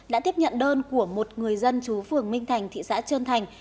đã tiếp nhận đơn của một người dân chú phường minh thành thị xã trơn thành